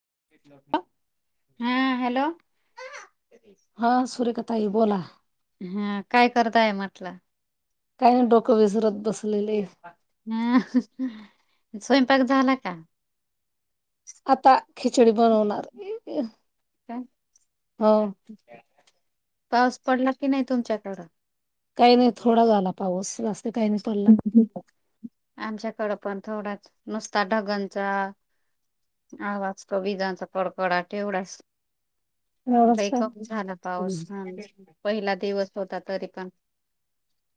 [inaudible] हा हॅलो हा. सुरेका ताई बोला. हा काय करताय म्हटलं? काही नाही. डोकं विसरत बसलेले. स्वयंपाक झाला का? आता खिचडी बनवणार. [inaudible] तर. हो. पाऊस पडला की नाही तुमच्याकडं? काही नाही थोडा झाला पाऊस जास्त काही नाही पडला [inaudible] आमच्याकडं पण थोडाच नुसता ढगानचा - - आवाज तो विजांचा कडकडाट केवढाच. लई व्यवस्थ कमी झाला पाऊस हां. पहिला दिवस. होता तरी पण,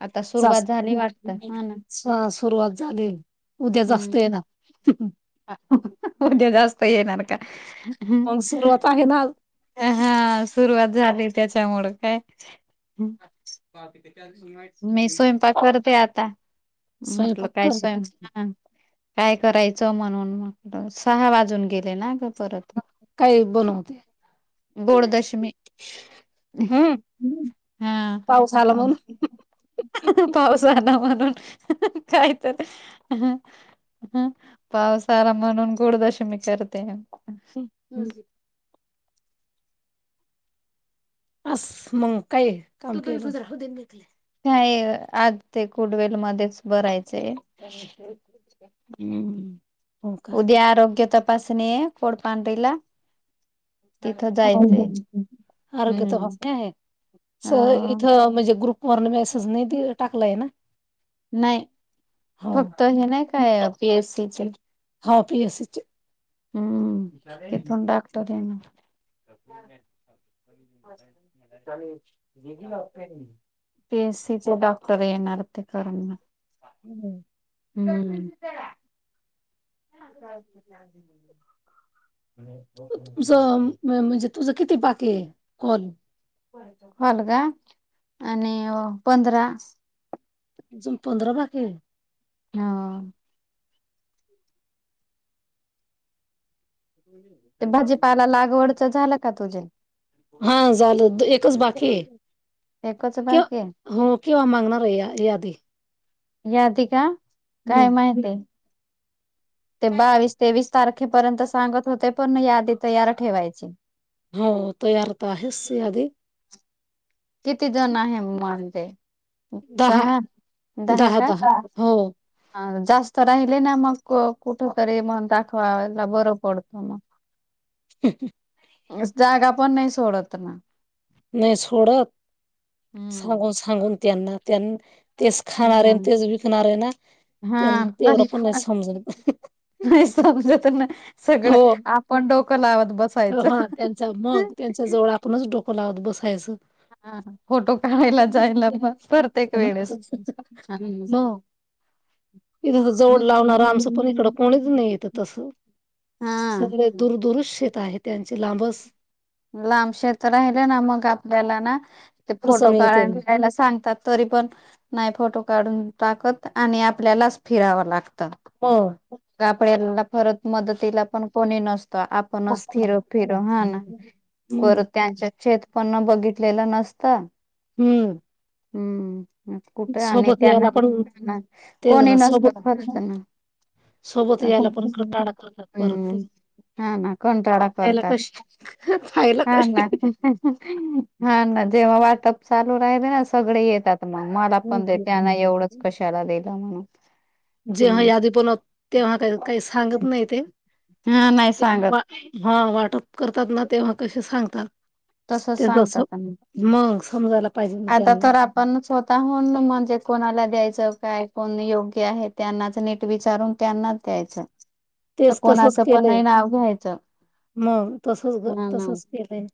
आता सुरुवात झाली वाट - - ह सुरुवात झाली. उद्या जास्त येणार. उदया जास्त येणार का? ह मग सुरुवात आहे ना अ हा. सुरुवात झाली, त्याच्यामुळ काय. मी स्वयंपाक करते आता. म्हटल स्वयंपाक काय कर स्वयं काय करायचं म्हणून म्हंटल सहा वाजून गेलेना गं? परत काही बनवते गोडदशमी. हम्म! पाऊस आला म्हणु पावुस आला म्हणून काय तर. हा पावसाळा म्हणून गोडदशमी करते. [unintelligible] असस मंग काय [inaudible] काले नाही आज ते कुडवेल मध्येच भरायचं हम्म हो का उद्या आरोग्य तपासणी आहे कोडपांढीला हो आरोग्य तर [unintelligible] भा हम्म आहे स अ इथं म्हणजे ग्रुपवरन मेसेज नाही टाकलाय ना. नाही हो फक्त हे नाही काय पीएससीचे हा पी अस असचे. हम्म तिथून डॉक्टर येनार. [unintelligible] पी एस सीचे डॉक्टर येणार ते करणार. हम्म. हम्म. [unintelligible] तुमचं म्हणजे तुझं किती बाकी आहे कॉल? हलगा आणि पंधरा. अजून पंधरा बाकी आहेत. हो. ते भाजीपाला लागवडचं झालं का तुझे. हा झालं एकच बाकी आहे. एकच क बाकी आहे. हो केव्हा मागणार आहे या यादी? यादी का काय हम्म माहिती. ते बावीस तेवीस तारखेपर्यंत सांगत होते पण यादी तयार ठेवायची. हो तयार तर आहेस यादी. किती जण आहे म्हजे? दहा सहा दहा का? अ जास्त राहिले ना मग कुठे तरी म दाखवाला बर पडतो ना. [inaudible] हाह जागा पण नाही सोडा त्यांना. नाही सोडत हम्म. सांगून सांगून त्यांना त्यां तेच खाणार आहे हा तेच विकणार आहे ना हा तेवढं तरी पण नाही समजत. नाही समजत त्यांना. हो बसायचं. हा त्यांचा मग त्यांच्या जवळ आपणच डोक लावत बस हा फोटो काढायला जायला म प्रत्येक वेळेस. [inaudible] इथे जवड लावणार आमचं पण इकडं कोणीच नाही येत तस. सगळे दूरदूरच शेत आहे त्यांची लांबच. लांब शेत राहिले ना मग आपल्याला ना ते फोटो अडचण येते काढय [unintelligible] सांगतात तरी पण नाही फोटो काढून टाकत आणि आपल्यालाच फिरावं लागतं. हो. आपल्याला परत मदतीला पण कोणी नसतं आपणच असत. फिरो मग फिरो हा ना. पर त्यांच्या शेत पण बघितलेलं नसत. हम्म. हम्म. कुठे आणि सोबत त्यांना यायला पण ते कोणी ना नसत सोबत खर ना. सोबत अ यायला पण कंटाळा करतात परत ते हम्म. हा ना कोण कंटाळा खायला करतात. कशी खायला हा ना कशी हा ना जेव्हा वाटअप चालू राहिल ना सगळे येतात. मला पण ते त्यांना एवढंच कशाला दिलं म्हणून. जेव्हा हम्म यादी पण तेव्हा काही काही सांगत नाही ते. हा नाही सांगत. जेव्हा हा वाटप करतात ना तेव्हा कसे सांगतात. तसच त्या त अस सांगतात मग समजायला पाहिजे ना आता त्यांना तर आपण स्वतःहून म्हणजे कोणाला द्यायचं काय कोण योग्य आहे त्यांनाच नीट विचारून त्यांनाच द्यायचं तर तेच तसच कोणाचं पण केलंय. नाही नाव घ्यायचं मग तसच हा ना तसच केलंय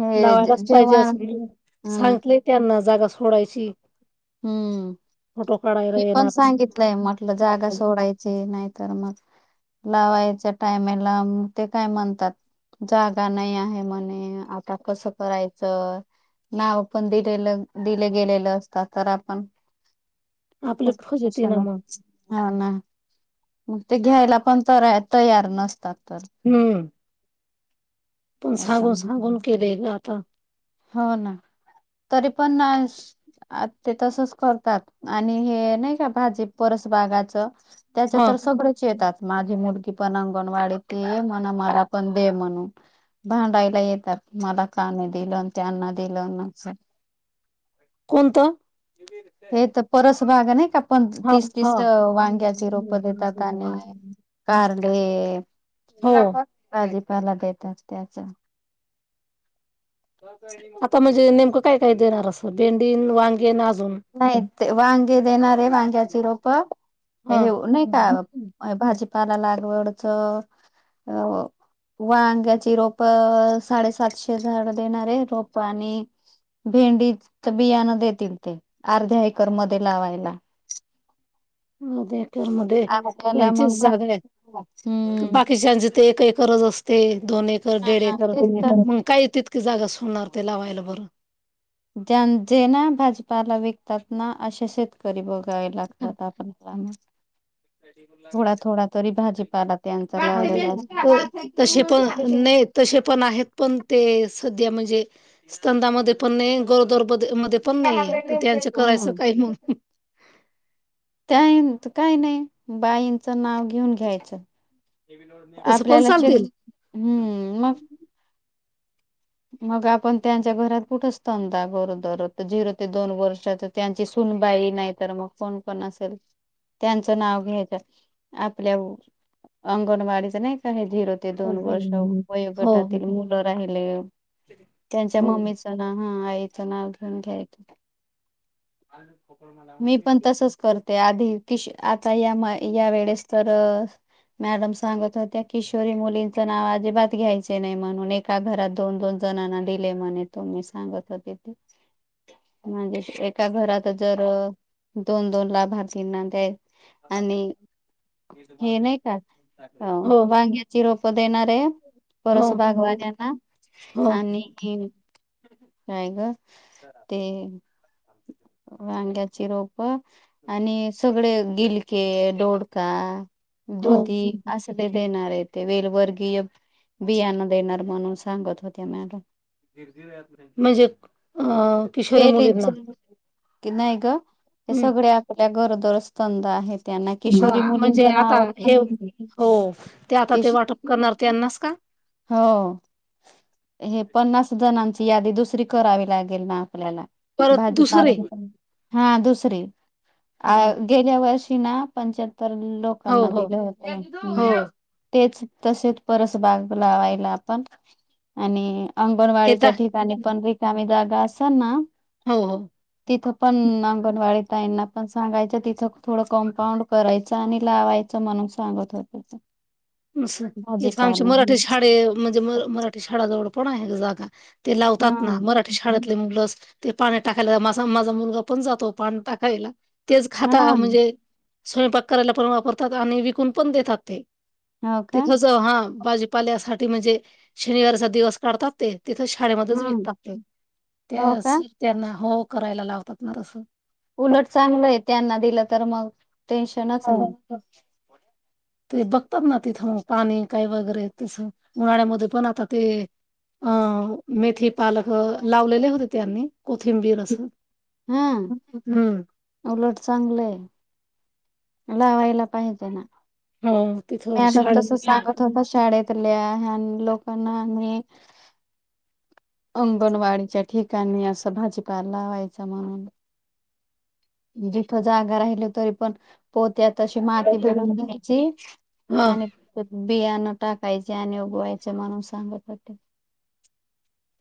हे लावायलाच पाहिजे जेव्हा असं हा ना सांगलेय त्यांना जागा सोडायची हम्म फोटो काढायला मी पण येणार अस सांगितलंय म्हटलं जागा सोडायची नाही तर मग लावायच्या टायमला ते काय म्हणतात जागा नाही आहे म्हणे आता कसं करायचं नाव पण दिलेलं दिले गेलेलं अस तर आपण आपली खूप फजती टेन्शन ना मग हा ना मग ते घ्यायला पण त तयार नसतात तर हम्म तुम त्याच्या सांगून सांगून केलंय ग आता हो ना तरी पण आ ते तसच करतात आणि हे नाही का भाजी परस बागाच त्याच्या हा तर [unintelligible] येतात माझी मुडग पण णवाडी ते म्हण मला पण दे म्हणून भांडायला येतात मला काने दिलं त्यांना दिलं कोणता हे तर परस भाग नाही का पण हा तीस हा तीस वांग्याची रोप देतात आणि कार हो भाजीपाला देतात त्याच आता म्हणजे नेमकं काय काय देणार असं भेंडी वांगे आज नाही वांगे देणारे वांग्याची रोप हे हा नाही का भाजीपाला लागवडच अ व अंग्याची रोप साडेसातशे झाड देणारे रोप आणि भेंडी तर बियाण देतील ते अर्ध्या एकर मध्ये लावायला हो देख मध्ये आपल्याला त्यांचीच मग जागा आहे हम्म बाकीच्याचे ते एक एकरच असते दोन एक डेड एकर तेच तर मग काय तितकी जागा होणार ते लावायला बरं ज जेना भाजपाला विकतात ना असे शेतकरी बघ लागतात आपण भाजीपाला त्यांचा लावलेला असतो. [unintelligible] तसे पण नाही त पण आहेत पण ते सध्या म्हणजे स्कंदामध्ये पण नाही गदर मध्ये पण नाही तर त्यांच करायचं काय मग त्या काय नाही बाईंचं नाव घेऊन घ्यायचं तसं पण आपल्याला चालतील हम्म मग मग आपण त्यांच्या घरात कुठ दा गरोदर झिरो ते दोन वर्षा त्यांची बाई नाही तर मग कोण पण असेल त्यांचं नाव घ्यायच आपल्या अंगणवाडीचं नाही काही धीर हो ते दोन वर्ष हो वयोगटातील हो मुलं राहिले त्यांच्या हो मम्मीचं नाव हा आईचं नाव घेऊन घ्यायचं अ [unintelligible] मी पण तसच करते आधी कि [unintelligible] आता या या वेळेस तर मॅडम सांगत होत्या किशोरी मुलींचं नाव अजिबात घ्यायचे नाही म्हणून एका घरात दोन दोन ण दिले म्हणे त म सांगत हो म्हणजे सांगत होते ते एका घरात ज [unintelligible] दोन दोन लाभारातींना द्याय [inaudible] हे नाही का हो वांग्याची रोपं देणार आहे परस भागवा हो त्यांना हो, आणि काय ग ते वांग्याची रोप आणि सगळे गिलके, डोडका, हो. दुधी असं ते देणार आहे ते वेलवर्गीय बियाना देणार म्हणून सांगत होत्या मला, [unintelligible] म्हणजे अ किशोरी मुलींना [unintelligible] कि नाही ग हे सगळे आपल्या घरोदर ह म्हणजे आता नाव हे हो ते आता ते किश वाटप करणार. त्यांनास का हो हे पन्नास जणांची यादी दुसरी करावी लागेल ना, आपल्याला परत दुसरे भाजीपाला हा दुस हो [unintelligible] गेल्या वर्षी ना पंच तर हो लोकांना हो दिलं होतं ह्म्म तेच तसेच परत बाग लावायला आपण आणि हे तर अंगणवाडीच्या ठिकाणी पण रिकामी जागा असेल ना, हो, हो. तिथं पण अंगणवाडी ताईना पण सांगायचं तिथं थोडं कम्पाऊंड करायचं आणि लावायचं म्हणून सांगत होत. असथ आमची मराठी शाळे म्हणजे मराठी शाळाजवळ पण आहे जागा ते लावतात ना हम्म मराठी शाळेतले मुलं ते पाणी टाकायला माझ माझा मुलगा पण जातो पाणी टाकायला तेच हा खाता म्हणजे, स्वयंपाक करायला पण वापरतात आणि विकून पण देतात ते हो का तिथंच हा, बाजीपाल्यासाठी म्हणजे शनिवारचा दिवस काढतात ते, तिथं शाळेमध्येच हम्म विकतात हो त्या का स त्यांना हो करायला लावतात ना तसं उलट चांगलंय त्यांना दिलं तर मग टेन्शनच नाही. हो. ते बघतात ना तिथं पाणी काय वगैरे तसं उन्हाळ्यामध्ये पण आता ते अं मेथी पालक लावलेले होते त्यांनी कोथिंबीर अस ह्म्म उलट चांगल आहे. लावायला पाहिजे ना. हो तिथं मॅडम तसं शाळेत सांगत होता शाळेतल्या [inaudible] लोकांना आणि [unintelligible] अंगणवाडीच्या ठिकाणी असं भाजीपा लावायचा म्हणून जिथ जागा राहिल तरी पण पोत्यात तशी माती भरून घ्यायची हा आणि बियाणं टाकायचे आणि उगवायच म्हणून सांगत होते.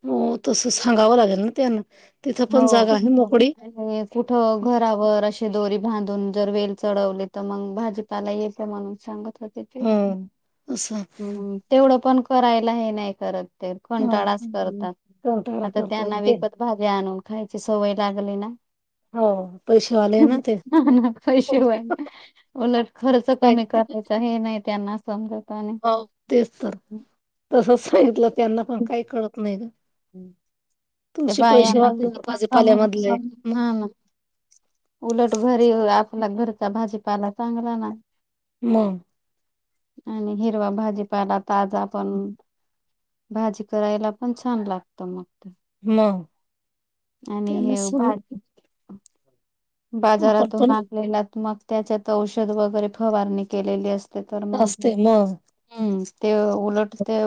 हो तस संगाव लागल ना त्याना हो कुठ घरावर दोरी बांधून जर वेल चढवले तर मग भाजीपाला येते म्हणून सांग हो असं [unintelligible] तेवढं पण करायला हे नाही करत ते हा कंटाळाच करतात कंटाळा आता त्यांना करतात ते विकत [unintelligible] खायची सवय लागली ना, हो [inaudible] पैसेवाले ते ना पैसे होई उलट खर्च काय कमी करायचा हे नाही त्यांना, समजत आणि हो तेच तर तसच सांगितलं त्यांना पण काही कळत नाही ग, हम्म ते तुळशी पैसे बायाना वाचले किती काम भाजीपाल्यामधले म हा ना, उलट घरी आपला घरचा भाजीपायला चांगला नाही. म आणि हिरवा भाजीपायला ताज पण भाजी करायला पण छान लागत मग, मग आणि त्यांना हे सम पा आपण बाजारातून पण नाकलेलात मग त्याच्यात औषध वगैरे फवारणी केलेली अस. ते तर मग असते मग हम्म ते उलट ते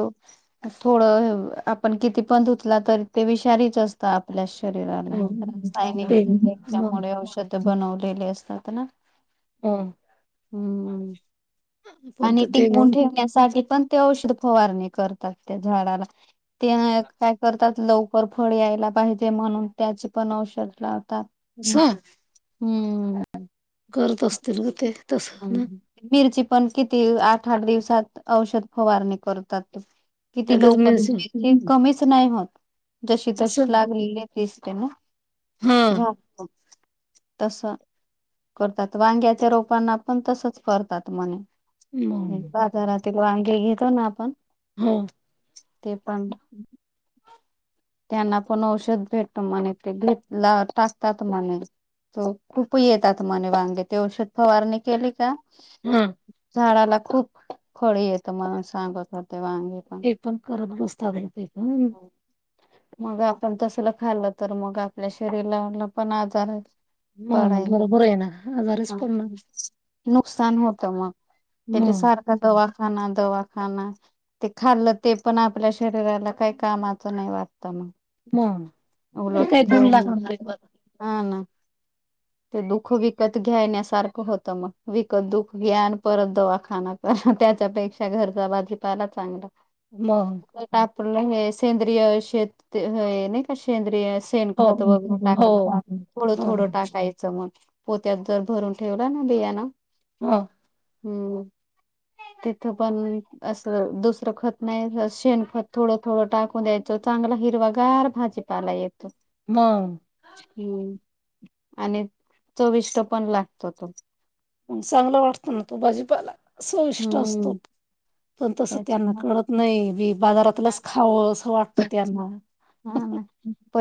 थोडं आपण किती पण धुतला तरी ते विषारीच अस आप शरीय मग बनवलेले असतात ना मग हम्म आपण आणि तर ते टिकून मग ठेव पण ते औषध फवारणी करतात त्या झाडाला ते काय करतात लवकर फळ ला पाहिजे म्हणून त्याचे पण औषध लावतात ह हम्म असतील ग ते तस ना मिरची पण किती आठ आठ दिवसात औषध फवारणी करतात किती लगेच लोक मिळशील कमीच नाही होत जशी तशी असं लागलेली तिसरे ना हा झा तस करतात वांग्याच्या रोपांना पण तसच करतात मग मणे बाजारातील वांगी घेतो ना आपण हा ते पण त्यांना पण औषध भेटतो म्हणे ते घेतला टासतात म्हणे तो खूप येतात मने वांगे ते औषध पवारनी केले का हम झाडाला खूप खळी येत मण सांगत एक पण करत बसतात होते प मग आपण तसलं खाल्लं तर मग आपल्या शरीराला पण आजार आहे पाडाय मग बरोबर आहे ना आजारीच पडणार नुकसान होतं मग त्या मग सारखा दवाखाना खा ते खाल्लं ते पण आपल्या शरीराला काही कामाच नाही वाटत मग ते काही उलटते गुण लागणार आहे हा ना ते दुःख विकत घ्यायण्यासारखं होतं मग विकत दुख घ्या आणि परत दवाखाना कर त्याच्यापेक्षा घरच्या बाजीपाला चांगला मग आप हे सेंद्रिय शेत नाही का सेंद्रिय हो सेणखत वगैरे हो टाकलं हो थोडं थोडं हो टाकायचं पोत्यात जर भरून ठेवला ना बिया ना हा हम्म तिथं पण अस दुसरं खत नाही शेणखत थोडं थोडं टाकून द्यायचं चांगला हिरवागार भाजीपाला येत म आणि चोविष्ट पण लागतो तो मग चांगला वाटतं ना तो भाजीपाला सविष्ट असतो हम्म पण तसं त्यांना त्याच्या कळत नाही बी बाजारातीलच खावं असं वाटत त्यांना हा ना.